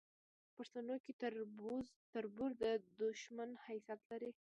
پښتنو کې تربور د دوشمن حیثت لري